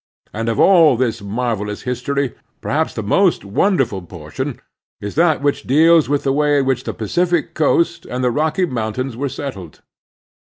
And of all this marvelous history perhaps the most wonderful portion is that which deals with the way in which the Pacific Coast and the Rocky Motmtains were settled.